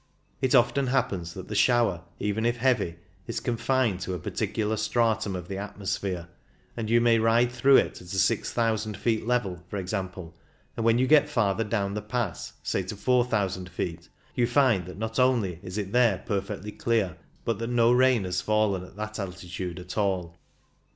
It often happens that the shower, even if heavy, is confined to a particular stratum of the atmosphere, and you may ride through it at a six thousand feet level, for example, and when you get farther down the pass, say to four thousand feet, you find that not only is it there perfectly clear, but that no rain has fallen at that altitude at all.